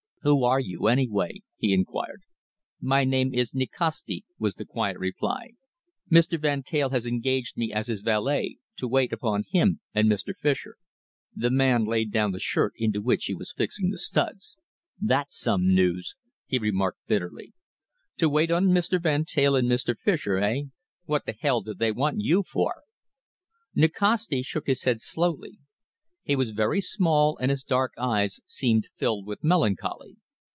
"Who are you, anyway?" he inquired. "My name is Nikasti," was the quiet reply. "Mr. Van Teyl has engaged me as his valet, to wait upon him and Mr. Fischer." The man laid down the shirt into which he was fixing the studs. "That's some news," he remarked bitterly. "To wait on Mr. Van Teyl and Mr. Fischer, eh? What the hell do they want you for?" Nikasti shook his head slowly. He was very small, and his dark eyes seemed filled with melancholy.